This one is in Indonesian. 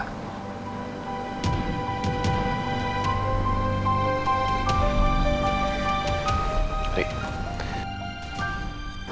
aku ada apa